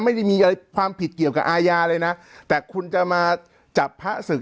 ไม่ได้มีอะไรความผิดเกี่ยวกับอาญาเลยนะแต่คุณจะมาจับพระศึก